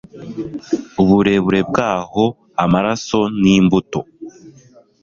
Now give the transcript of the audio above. uburebure bwa ho amaraso n'imbuto